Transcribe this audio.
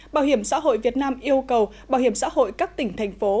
bảo hiểm xã hội việt nam yêu cầu bảo hiểm xã hội các tỉnh thành phố